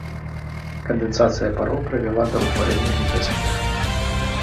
Кандэнсацыя пароў прывяла да ўтварэння гідрасферы.